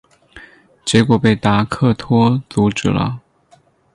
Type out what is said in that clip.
结果被达克托阻止了。